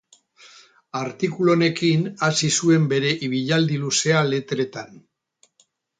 Artikulu honekin hasi zuen bere ibilaldi luzea Letretan.